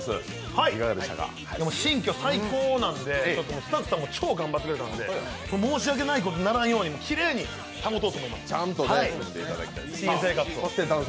新居、最高なんで、スタッフさんも超頑張ってくれたんで申し訳ないことにならんようにきれいに保とうと思います。